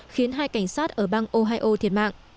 khiến hai cảnh sát ở bang ohio thiệt mạng